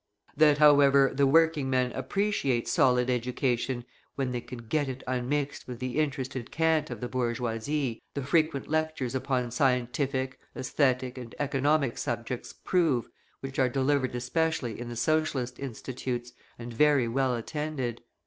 That, however, the working men appreciate solid education when they can get it unmixed with the interested cant of the bourgeoisie, the frequent lectures upon scientific, aesthetic, and economic subjects prove which are delivered especially in the Socialist institutes, and very well attended.